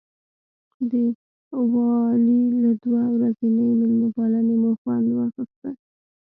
د والي له دوه ورځنۍ مېلمه پالنې مو خوند واخیست.